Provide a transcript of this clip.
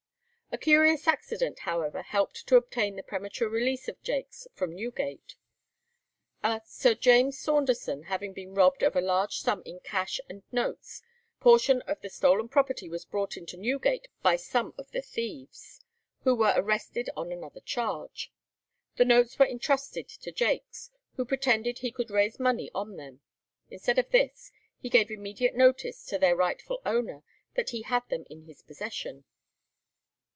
A curious accident, however, helped to obtain the premature release of Jaques from Newgate. A Sir James Saunderson having been robbed of a large sum in cash and notes, portion of the stolen property was brought into Newgate by some of the thieves, who were arrested on another charge. The notes were intrusted to Jaques, who pretended he could raise money on them. Instead of this, he gave immediate notice to their rightful owner that he had them in his possession.